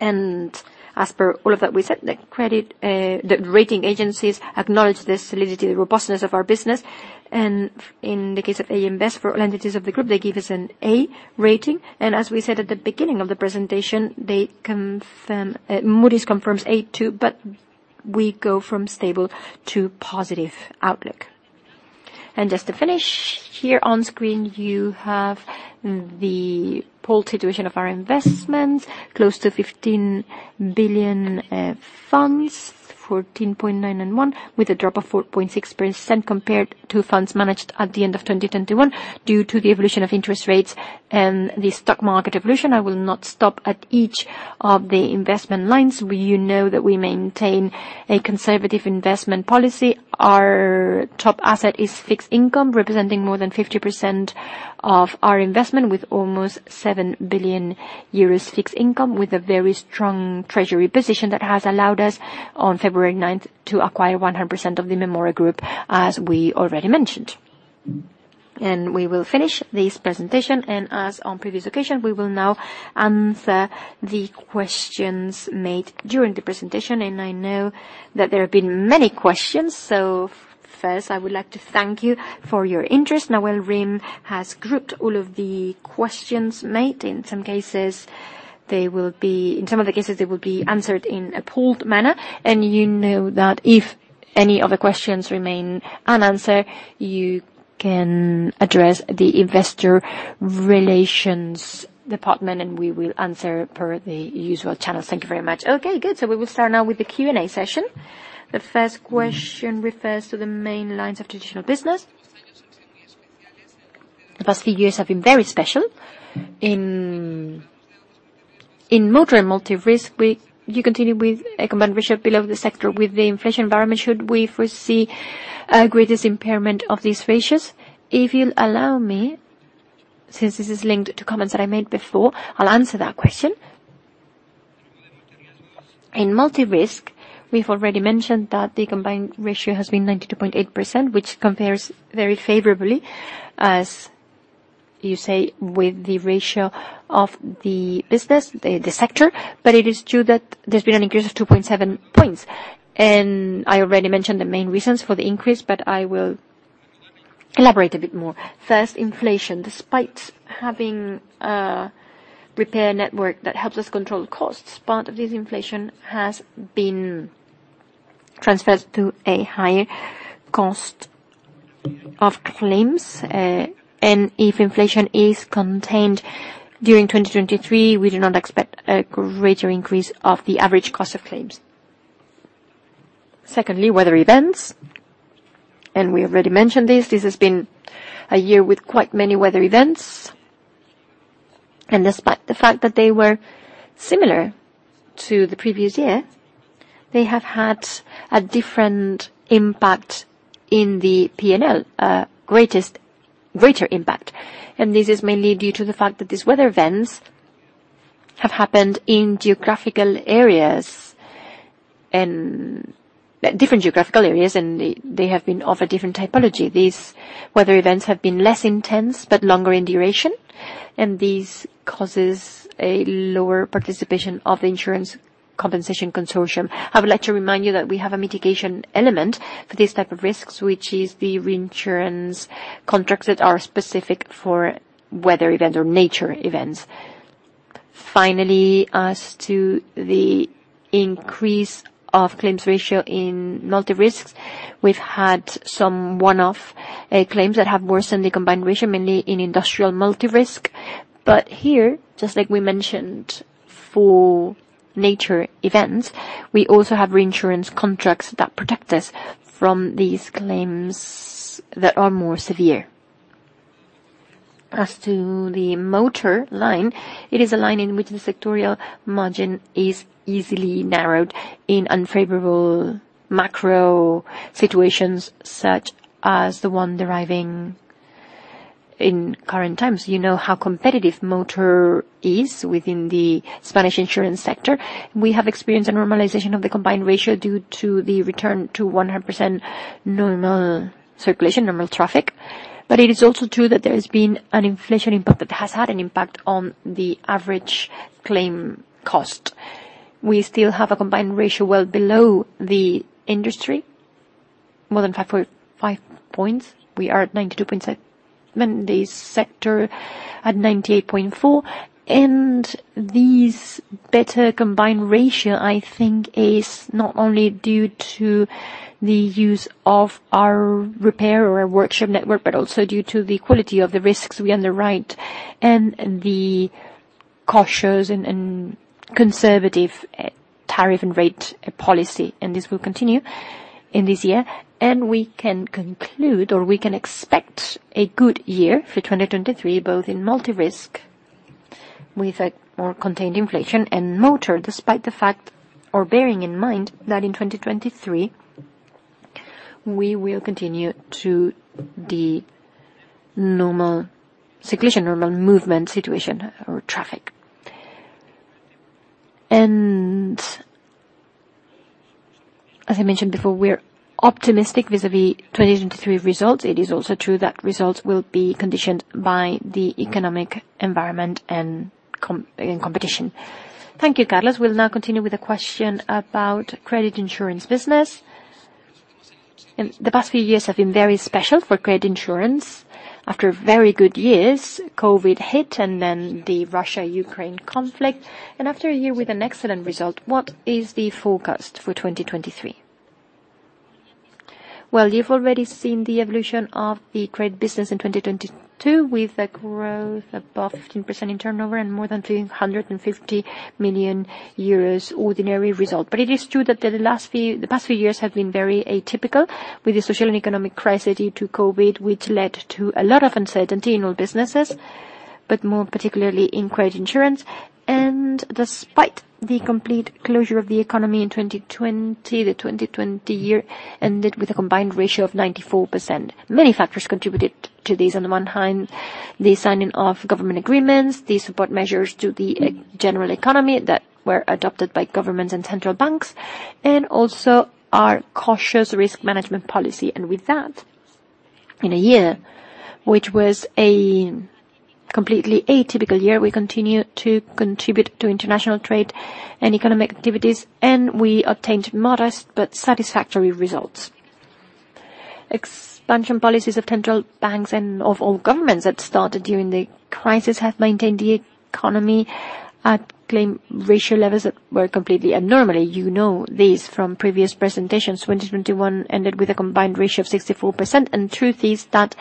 As per all of that, we said the credit, the rating agencies acknowledge the solidity, the robustness of our business. In the case of AM Best for all entities of the group, they give us an A rating. As we said at the beginning of the presentation, they confirm, Moody's confirms A, too, but we go from stable to positive outlook. Just to finish, here on screen, you have the whole situation of our investments, close to 15 billion, funds, 14.9 and one, with a drop of 4.6% compared to funds managed at the end of 2021 due to the evolution of interest rates and the stock market evolution. I will not stop at each of the investment lines. You know that we maintain a conservative investment policy. Our top asset is fixed income, representing more than 50% of our investment with almost 7 billion euros fixed income, with a very strong treasury position that has allowed us on February 9th to acquire 100% of the Mémora Group, as we already mentioned. We will finish this presentation, and as on previous occasion, we will now answer the questions made during the presentation. I know that there have been many questions. First, I would like to thank you for your interest. Nawal Rim has grouped all of the questions made. In some of the cases, they will be answered in a pooled manner. You know that if any other questions remain unanswered, you can address the investor relations department, and we will answer per the usual channels. Thank you very much. Okay, good. We will start now with the Q&A session. The first question refers to the main lines of traditional business. The past few years have been very special. In motor and multi risk, you continue with a combined ratio below the sector. With the inflation environment, should we foresee a greatest impairment of these ratios? If you'll allow me, since this is linked to comments that I made before, I'll answer that question. In multi risk, we've already mentioned that the combined ratio has been 92.8%, which compares very favorably, as you say, with the ratio of the business, the sector. It is true that there's been an increase of 2.7 points. I already mentioned the main reasons for the increase, but I will elaborate a bit more. First, inflation. Despite having a repair network that helps us control costs, part of this inflation has been transferred to a higher cost of claims. If inflation is contained during 2023, we do not expect a greater increase of the average cost of claims. Secondly, weather events, and we already mentioned this. This has been a year with quite many weather events. Despite the fact that they were similar to the previous year, they have had a different impact in the P&L, greater impact. This is mainly due to the fact that these weather events have happened in different geographical areas, and they have been of a different typology. These weather events have been less intense but longer in duration, and this causes a lower participation of Insurance Compensation Consortium. I would like to remind you that we have a mitigation element for these type of risks, which is the reinsurance contracts that are specific for weather event or nature events. Finally, as to the increase of claims ratio in multi-risks, we've had some one-off claims that have worsened the combined ratio, mainly in industrial multi-risk. Here, just like we mentioned for nature events, we also have reinsurance contracts that protect us from these claims that are more severe. As to the motor line, it is a line in which the sectorial margin is easily narrowed in unfavorable macro situations, such as the one deriving in current times. You know how competitive motor is within the Spanish insurance sector. We have experienced a normalization of the combined ratio due to the return to 100% normal circulation, normal traffic. It is also true that there has been an inflation impact that has had an impact on the average claim cost. We still have a combined ratio well below the industry, more than 5.5 points. We are at 92.7%, the sector at 98.4%. This better combined ratio, I think, is not only due to the use of our repair or our workshop network, but also due to the quality of the risks we underwrite and the cautious and conservative tariff and rate policy. This will continue in this year. We can conclude, or we can expect a good year for 2023, both in multi-risk with a more contained inflation and motor, despite the fact or bearing in mind that in 2023, we will continue to the normal circulation, normal movement situation or traffic. As I mentioned before, we're optimistic vis-à-vis 2023 results. It is also true that results will be conditioned by the economic environment and competition. Thank you, Carlos. We'll now continue with a question about credit insurance business. The past few years have been very special for credit insurance. After very good years, COVID hit and then the Russia-Ukraine conflict, and after a year with an excellent result, what is the forecast for 2023? Well, you've already seen the evolution of the credit business in 2022, with a growth above 15% in turnover and more than 350 million euros ordinary result. It is true that the past few years have been very atypical, with the social and economic crisis due to COVID, which led to a lot of uncertainty in all businesses, but more particularly in credit insurance. Despite the complete closure of the economy in 2020, the 2020 year ended with a combined ratio of 94%. Many factors contributed to this. On the one hand, the signing of government agreements, the support measures to the general economy that were adopted by governments and central banks, and also our cautious risk management policy. With that, in a year, which was a completely atypical year, we continued to contribute to international trade and economic activities, and we obtained modest but satisfactory results. Expansion policies of central banks and of all governments that started during the crisis have maintained the economy at claims ratio levels that were completely abnormally. You know this from previous presentations. 2021 ended with a combined ratio of 64%. Truth is that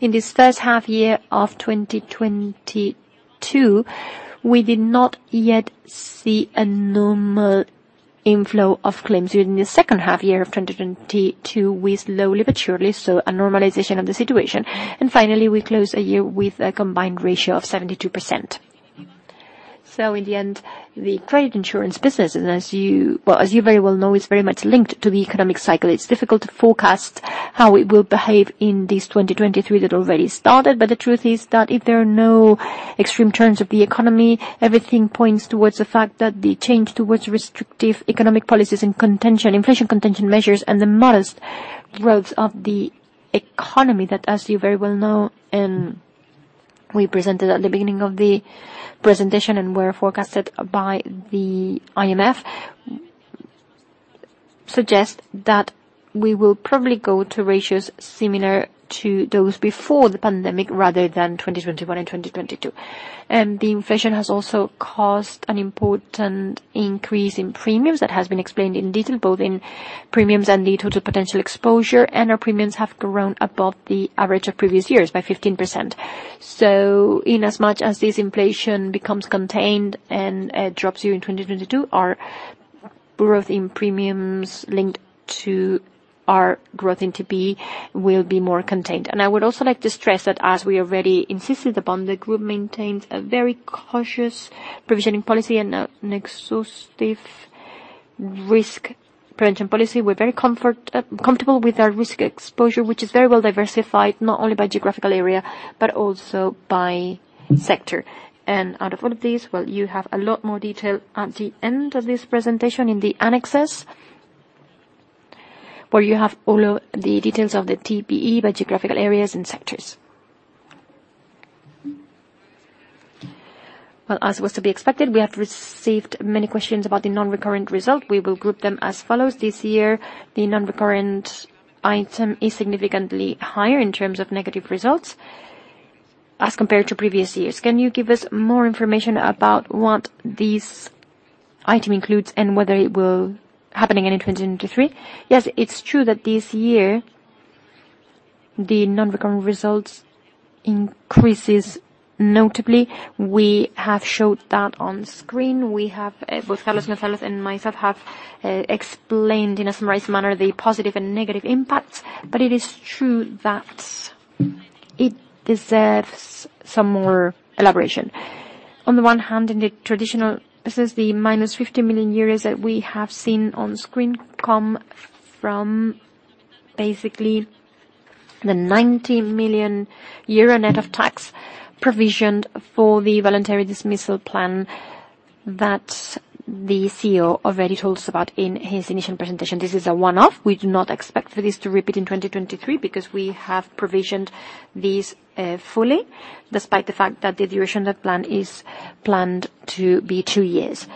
in this first half year of 2022, we did not yet see a normal inflow of claims. During the second half year of 2022, we slowly but surely saw a normalization of the situation. Finally, we closed a year with a combined ratio of 72%. In the end, the credit insurance business, well, as you very well know, is very much linked to the economic cycle. It's difficult to forecast how it will behave in this 2023 that already started. The truth is that if there are no extreme turns of the economy, everything points towards the fact that the change towards restrictive economic policies and inflation contention measures and the modest growth of the economy that, as you very well know, and we presented at the beginning of the presentation and were forecasted by the IMF, suggest that we will probably go to ratios similar to those before the pandemic rather than 2021 and 2022. The inflation has also caused an important increase in premiums. That has been explained in detail, both in premiums and the total potential exposure. Our premiums have grown above the average of previous years by 15%. In as much as this inflation becomes contained and drops during 2022, our growth in premiums linked to our growth in TPE will be more contained. I would also like to stress that as we already insisted upon, the group maintains a very cautious provisioning policy and an exhaustive risk prevention policy. We're very comfortable with our risk exposure, which is very well diversified, not only by geographical area, but also by sector. Out of all of these, well, you have a lot more detail at the end of this presentation in the annexes, where you have all the details of the TPE by geographical areas and sectors. Well, as was to be expected, we have received many questions about the non-recurrent result. We will group them as follows. This year, the non-recurrent item is significantly higher in terms of negative results as compared to previous years. Can you give us more information about what this item includes and whether it will happening any in 2023? Yes, it's true that this year, the non-recurrent results increases notably. We have showed that on screen. We have both Carlos González and myself have explained in a summarized manner the positive and negative impacts. It is true that it deserves some more elaboration. On the one hand, in the traditional business, the minus 50 million euros that we have seen on screen come from basically the 90 million euro net of tax provisioned for the voluntary dismissal plan that the CEO already told us about in his initial presentation. This is a one-off. We do not expect for this to repeat in 2023 because we have provisioned these fully, despite the fact that the duration of that plan is planned to be two years.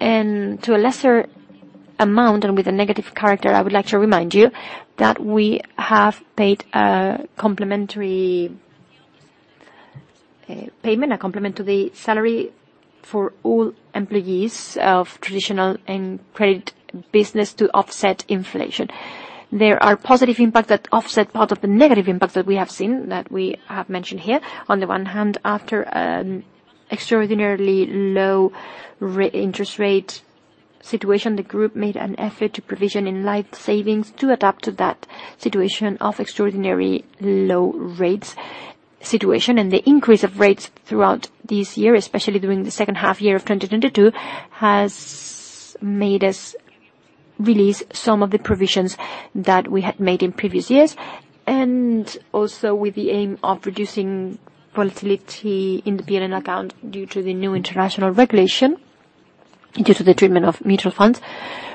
To a lesser amount, and with a negative character, I would like to remind you that we have paid a complimentary, a payment, a complement to the salary for all employees of traditional and credit business to offset inflation. There are positive impact that offset part of the negative impacts that we have seen, that we have mentioned here. On the one hand, after an extraordinarily low interest rate situation, the group made an effort to provision in life savings to adapt to that situation of extraordinary low rates situation. The increase of rates throughout this year, especially during the second half year of 2022, has made us release some of the provisions that we had made in previous years. Also with the aim of reducing volatility in the PNL account due to the new international regulation, due to the treatment of mutual funds,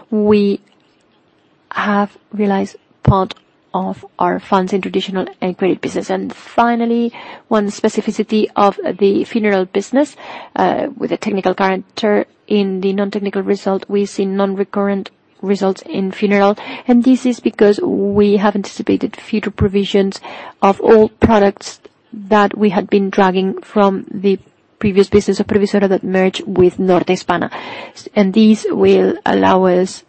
we have realized part of our funds in traditional and credit business. Finally, one specificity of the funeral business, with a technical character. In the non-technical result, we see non-recurrent results in funeral, and this is because we have anticipated future provisions of all products that we had been dragging from the previous business of Previsora that merged with NorteHispana. These will allow us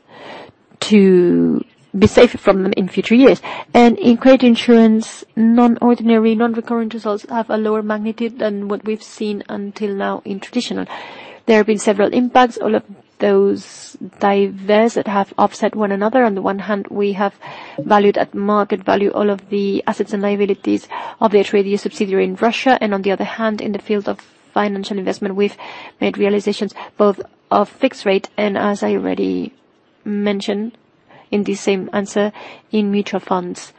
to be safe from them in future years. In credit insurance, non-ordinary, non-recurrent results have a lower magnitude than what we've seen until now in traditional. There have been several impacts. All of those diverse that have offset one another. On the one hand, we have valued at market value all of the assets and liabilities of the trade subsidiary in Russia. On the other hand, in the field of financial investment, we've made realizations both of fixed rate and, as I already mentioned in the same answer, in mutual funds,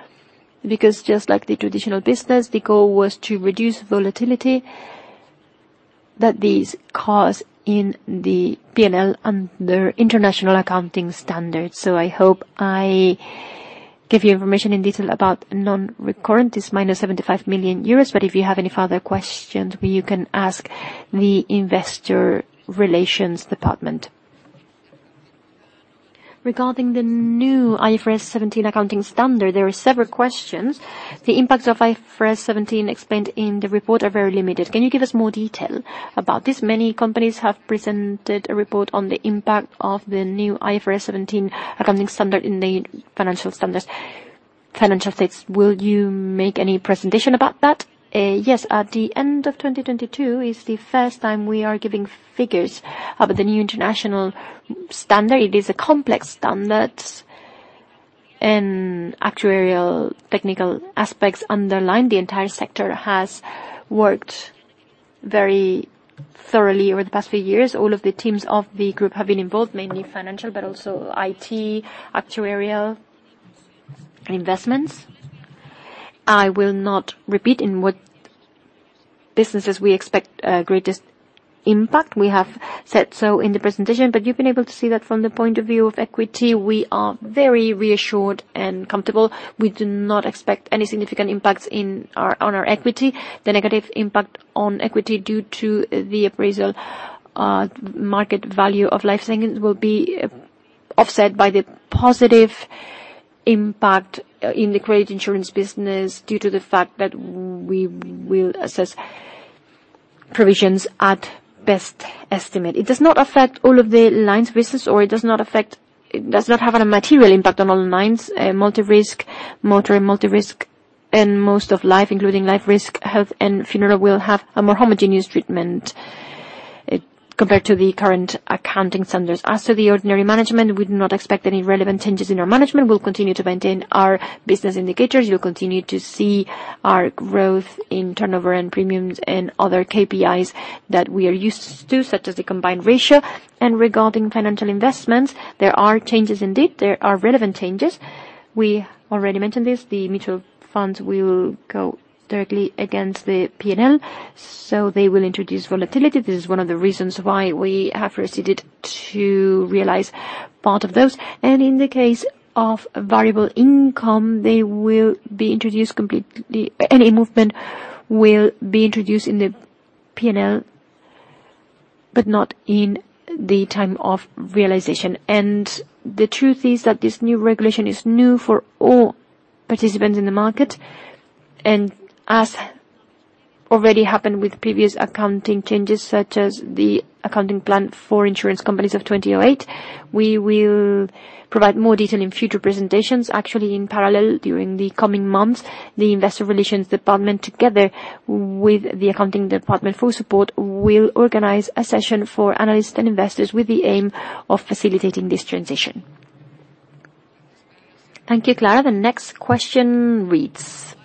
because just like the traditional business, the goal was to reduce volatility that these cause in the P&L under international accounting standards. I hope I gave you information in detail about non-recurrent. It's minus 75 million euros. If you have any further questions, you can ask the investor relations department. Regarding the new IFRS 17 accounting standard, there are several questions. The impacts of IFRS 17 explained in the report are very limited. Can you give us more detail about this? Many companies have presented a report on the impact of the new IFRS 17 accounting standard in the financial states. Will you make any presentation about that? Yes. At the end of 2022 is the first time we are giving figures of the new international standard. It is a complex standard and actuarial technical aspects underline. The entire sector has worked very thoroughly over the past few years. All of the teams of the group have been involved, mainly financial, but also IT, actuarial, and investments. I will not repeat in what businesses we expect greatest impact. We have said so in the presentation, but you've been able to see that from the point of view of equity, we are very reassured and comfortable. We do not expect any significant impacts on our equity. The negative impact on equity due to the appraisal market value of life savings will be offset by the positive impact in the credit insurance business due to the fact that we will assess provisions at best estimate. It does not have a material impact on all lines, multi-risk, motor and multi-risk, and most of life, including life risk, health, and funeral, will have a more homogeneous treatment compared to the current accounting standards. As to the ordinary management, we do not expect any relevant changes in our management. We'll continue to maintain our business indicators. You'll continue to see our growth in turnover and premiums and other KPIs that we are used to, such as the combined ratio. Regarding financial investments, there are changes indeed. There are relevant changes. We already mentioned this. The mutual funds will go directly against the P&L, so they will introduce volatility. This is one of the reasons why we have proceeded to realize part of those. In the case of variable income, they will be introduced completely... Any movement will be introduced in the P&L, but not in the time of realization. The truth is that this new regulation is new for all participants in the market. As already happened with previous accounting changes, such as the accounting plan for insurance companies of 2008, we will provide more detail in future presentations. Actually, in parallel, during the coming months, the Investor Relations department, together with the accounting department full support, will organize a session for analysts and investors with the aim of facilitating this transition. Thank you, Clara. The next question reads: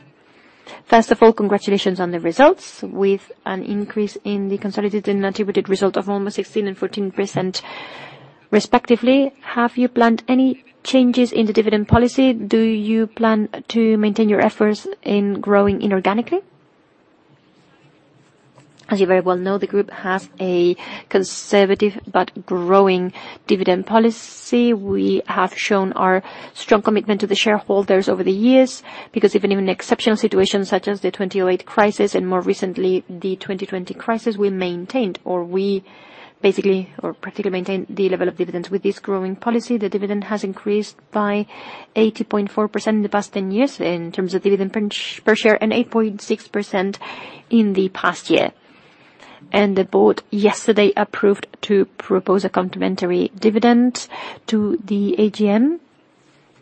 First of all, congratulations on the results. With an increase in the consolidated and attributed result of almost 16% and 14% respectively, have you planned any changes in the dividend policy? Do you plan to maintain your efforts in growing inorganically? As you very well know, the group has a conservative but growing dividend policy. We have shown our strong commitment to the shareholders over the years, because even in exceptional situations such as the 2008 crisis and more recently the 2020 crisis, we maintained, or we basically or practically maintained the level of dividends. With this growing policy, the dividend has increased by 80.4% in the past 10 years in terms of dividend per share, and 8.6% in the past year. The board yesterday approved to propose a complimentary dividend to the AGM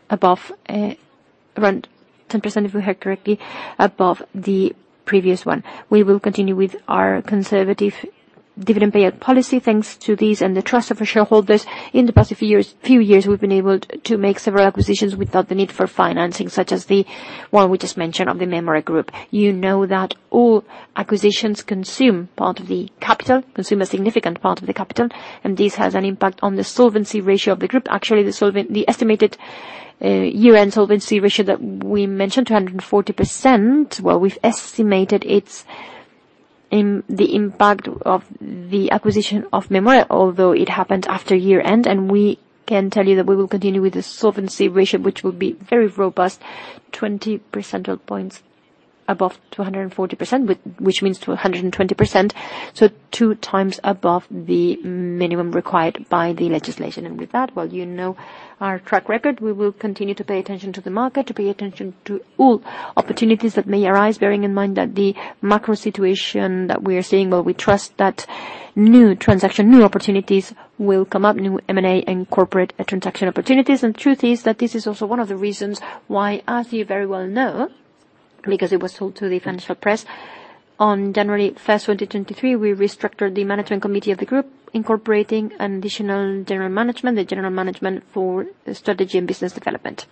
above, around 10%, if we heard correctly, above the previous one. We will continue with our conservative dividend payout policy. Thanks to this and the trust of our shareholders, in the past few years, we've been able to make several acquisitions without the need for financing, such as the one we just mentioned of the Mémora Group. You know that all acquisitions consume part of the capital, consume a significant part of the capital. This has an impact on the solvency ratio of the group. Actually, the estimated year-end solvency ratio that we mentioned, 240%, well, we've estimated the impact of the acquisition of Mémora, although it happened after year-end. We can tell you that we will continue with the solvency ratio, which will be very robust, 20 percentile points above 240%, which means 220%, two times above the minimum required by the legislation. With that, well, you know our track record. We will continue to pay attention to the market, to pay attention to all opportunities that may arise, bearing in mind that the macro situation that we are seeing, well, we trust that new transaction, new opportunities will come up, new M&A and corporate transaction opportunities. Truth is that this is also one of the reasons why, as you very well know, because it was told to the financial press, on January 1st, 2023, we restructured the management committee of the group, incorporating an additional general management, the general management for strategy and business development.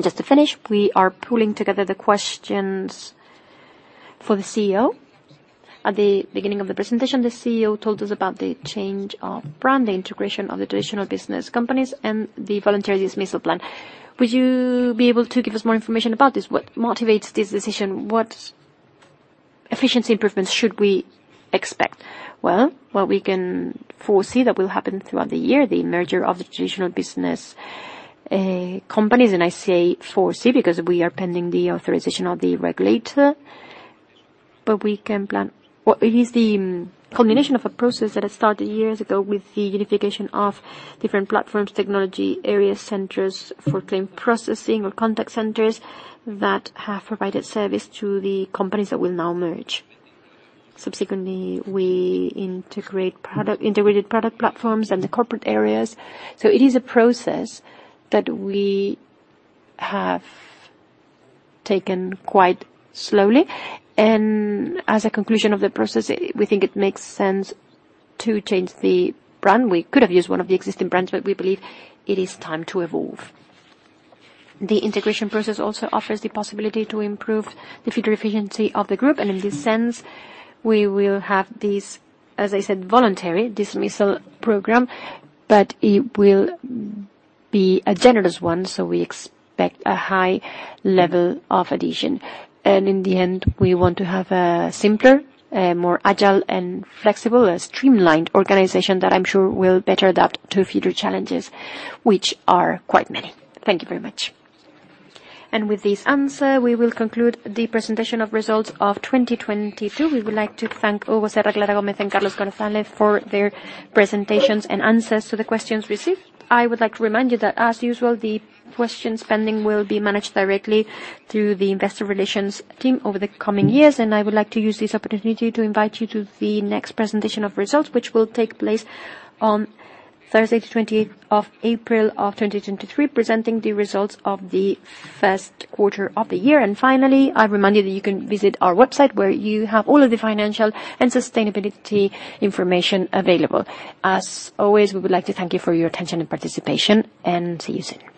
Just to finish, we are pooling together the questions for the CEO. At the beginning of the presentation, the CEO told us about the change of brand, the integration of the traditional business companies, and the voluntary dismissal plan. Would you be able to give us more information about this? What motivates this decision? What efficiency improvements should we expect? Well, what we can foresee that will happen throughout the year, the merger of the traditional business companies, and I say foresee because we are pending the authorization of the regulator, but we can plan. Well, it is the culmination of a process that had started years ago with the unification of different platforms, technology, area centers for claim processing or contact centers that have provided service to the companies that will now merge. Subsequently, we integrate product platforms and the corporate areas. It is a process that we have taken quite slowly. As a conclusion of the process, we think it makes sense to change the brand. We could have used one of the existing brands, but we believe it is time to evolve. The integration process also offers the possibility to improve the future efficiency of the group. In this sense, we will have this, as I said, voluntary dismissal program, but it will be a generous one, so we expect a high level of addition. In the end, we want to have a simpler, more agile and flexible, a streamlined organization that I'm sure will better adapt to future challenges, which are quite many. Thank you very much. With this answer, we will conclude the presentation of results of 2022. We would like to thank Hugo Serra, Clara Gómez, and Carlos González for their presentations and answers to the questions received. I would like to remind you that, as usual, the questions pending will be managed directly through the investor relations team over the coming years. I would like to use this opportunity to invite you to the next presentation of results, which will take place on Thursday, the 28th of April of 2023, presenting the results of the first quarter of the year. Finally, I remind you that you can visit our website, where you have all of the financial and sustainability information available. As always, we would like to thank you for your attention and participation, and see you soon.